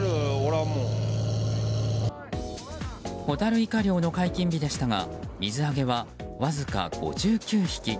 ホタルイカ漁の解禁日でしたが水揚げは、わずか５９匹。